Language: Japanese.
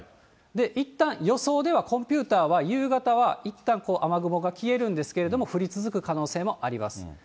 いったん、予想ではコンピューターは夕方はいったん雨雲が消えるんですけれども、降り続く可能性もあります。